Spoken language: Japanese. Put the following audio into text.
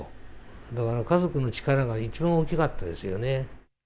だから、家族の力が一番大きかったですよね。